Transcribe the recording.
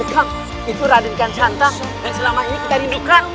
itu raden dian santang yang selama ini kita rindukan